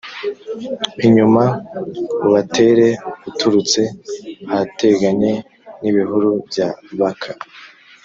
inyuma ubatere uturutse ahateganye n ibihuru bya baka